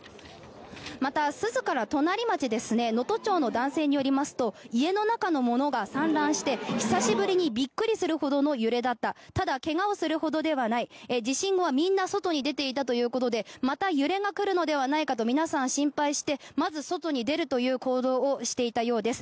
また、珠洲から隣町能登町の男性によりますと家の中のものが散乱して久しぶりにびっくりするほどの揺れだったただ、怪我をするほどではない地震後はみんな外に出ていたということでまた揺れが来るのではないかと皆さん心配してまず外に出るという行動をしていたようです。